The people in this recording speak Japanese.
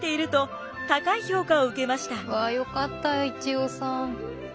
うわよかった一葉さん。